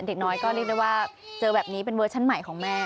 เด็กน้อยก็เรียกได้ว่าเจอแบบนี้เป็นเวอร์ชั่นใหม่ของแม่